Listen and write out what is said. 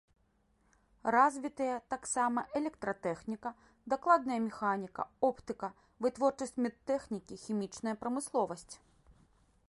Развітыя таксама электратэхніка, дакладная механіка, оптыка, вытворчасць медтэхнікі, хімічная прамысловасць.